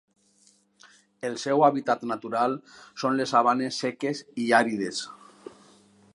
El seu hàbitat natural són les sabanes seques i àrides.